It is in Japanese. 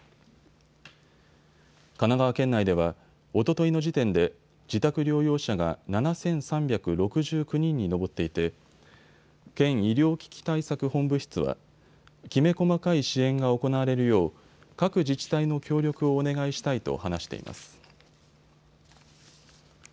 神奈川県内ではおとといの時点で自宅療養者が７３６９人に上っていて県医療危機対策本部室はきめ細かい支援が行われるよう各自治体の協力をお願いしたいと話しています。